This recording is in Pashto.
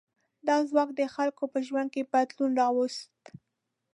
دا ځواک د خلکو په ژوند کې بدلون راوست.